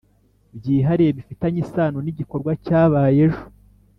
byihariye bifitanye isano n igikorwa cyabaye ejo